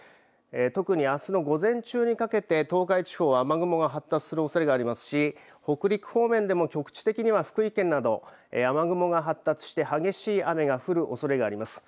特に、あすの午前中にかけて東海地方、雨雲が発達するおそれがありますし北陸方面でも局地的には福井県など雨雲が発達して激しい雨が降るおそれがあります。